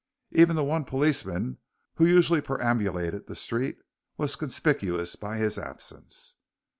Even the one policeman who usually perambulated the street was conspicuous by his absence.